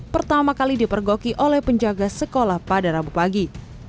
pertama kali dipergoki oleh penjaga sekolah pada rabu pagi